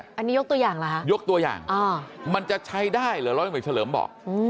อันนี้ยกตัวอย่างเหรอฮะยกตัวอย่างมันจะใช้ได้เหรอร้อยตำรวจเฉลิมบอก